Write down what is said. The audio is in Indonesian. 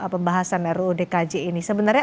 pembahasan rudkj ini sebenarnya